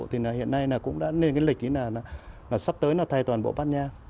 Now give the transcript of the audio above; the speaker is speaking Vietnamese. thì hiện nay cũng đã lên cái lịch là sắp tới thay toàn bộ bát nhang